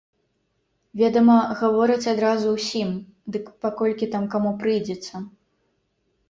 Ведама, гавораць адразу ўсім, дык па колькі там каму прыйдзецца!